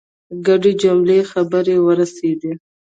ګډې حملې خبر ورسېدی.